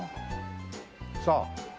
さあ。